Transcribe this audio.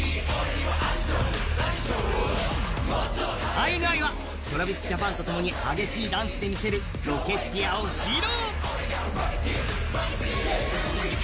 ＩＮＩはＴｒａｖｉｓＪａｐａｎとともに激しいダンスでみせる「Ｒｏｃｋｅｔｅｅｒ」を披露。